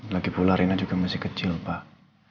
lagipula rena juga masih kecil pak